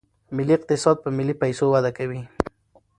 ملي اقتصاد په ملي پیسو وده کوي.